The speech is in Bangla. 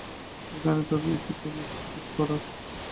এইখানে তবে ইতি কুমুদকে খোঁজ করার?